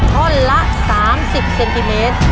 ท่อนละ๓๐เซนติเมตร